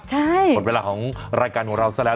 หมดเวลาของรายการของเราซะแล้ว